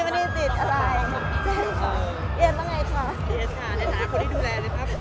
เย็นค่ะแถลงคนที่ดูแลเลยครับ